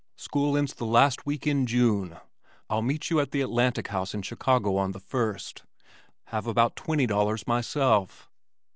"School ends the last week in June. I'll meet you at the Atlantic House in Chicago on the first. Have about twenty dollars myself."